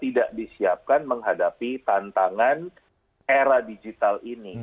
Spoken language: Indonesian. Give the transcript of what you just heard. tidak disiapkan menghadapi tantangan era digital ini